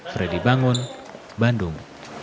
freddy bangun bandung